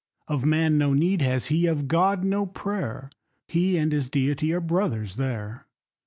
Of man no need has he, of God, no prayer; He and his Deity are brothers there.